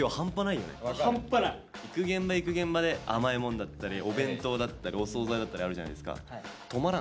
行く現場行く現場で甘いもんだったりお弁当だったりお総菜だったりあるじゃないですか。